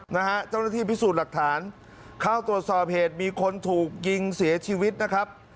นะฮะเจ้าหน้าที่พิสูจน์หลักฐานเข้าตรวจสอบเหตุมีคนถูกยิงเสียชีวิตนะครับ